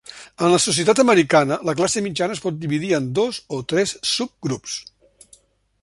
En la societat americana, la classe mitjana es pot dividir en dos o tres subgrups.